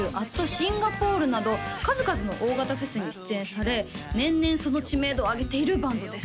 Ｓｉｎｇａｐｏｒｅなど数々の大型フェスに出演され年々その知名度を上げているバンドです